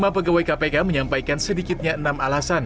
tujuh puluh lima pegawai kpk menyampaikan sedikitnya enam alasan